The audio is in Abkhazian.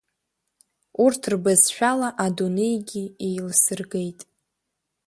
Урҭ рбызшәала адунеигьы еилсыргеит.